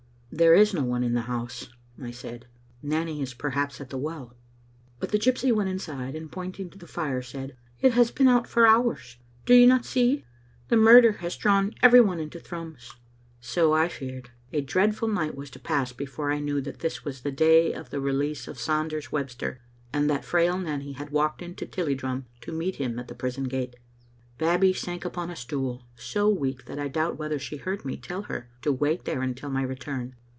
"There is no one in the house," I said. "Nanny is perhaps at the well. " But the gypsy went inside, and pointing to the fire said, " It has been out for hours. Do you not see? The murder has drawn every one into Thrums." Digitized by VjOOQ IC m xnc Xittle A(ntoter« So I feared. A dreadful night was to pass before I knew that this was the day of the release of Sanders Webster, and that frail Nanny had walked into Tillie drum to meet him at the prison gate. Babbie sank upon a stool, so weak that I doubt whether she heard me tell her to wait there until my return.